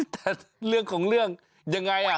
แต่เรื่องของเรื่องยังไง